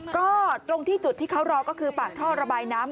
ก็ตรงที่จุดที่เขารอก็คือปากท่อระบายน้ำ